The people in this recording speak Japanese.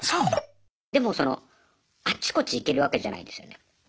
でもそのあっちこっち行けるわけじゃないですよね。